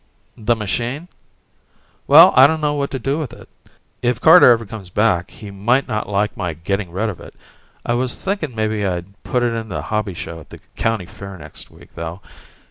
The machine? Well, I dunno what to do with it. If Carter ever comes back he might not like my getting rid of it. I was thinking mebbe I'd put it in the hobby show at the county fair next week, though.